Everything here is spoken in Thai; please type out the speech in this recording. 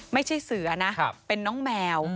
ไม่ใช่เสือนะเป็นน้องแมว